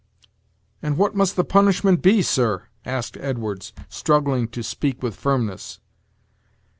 "And what must the punishment be, sir?" asked Edwards, struggling to speak with firmness.